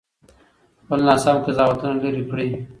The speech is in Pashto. خپل ناسم قضاوتونه لرې کړئ.